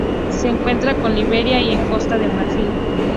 Se encuentra en Liberia y en Costa de Marfil.